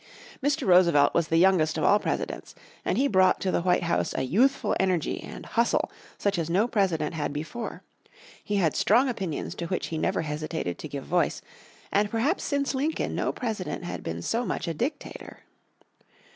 Mr. Roosevelt was the youngest of all presidents, and he brought to the White House a youthful energy and "hustle" such as no President had before. He had strong opinions to which he never hesitated to give voice, and perhaps since Lincoln no President had been so much a dictator.